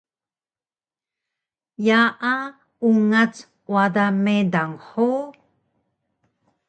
Yaa ungac wada meydang hug?